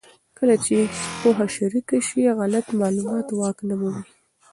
کله چې پوهه شریکه شي، غلط معلومات واک نه مومي.